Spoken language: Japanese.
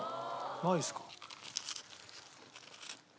ないですか。